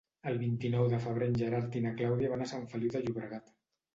El vint-i-nou de febrer en Gerard i na Clàudia van a Sant Feliu de Llobregat.